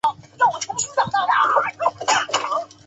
海友客栈是华住酒店集团旗下的经济型酒店连锁品牌。